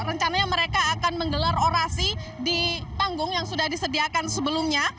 rencananya mereka akan menggelar orasi di panggung yang sudah disediakan sebelumnya